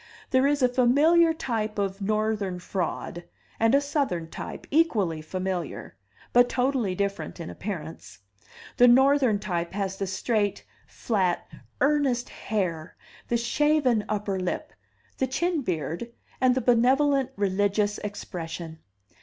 There is a familiar type of Northern fraud, and a Southern type, equally familiar, but totally different in appearance. The Northern type has the straight, flat, earnest hair, the shaven upper lip, the chin beard, and the benevolent religious expression.